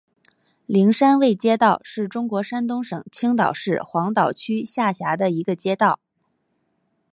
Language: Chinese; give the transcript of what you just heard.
灵山卫街道是中国山东省青岛市黄岛区下辖的一个街道。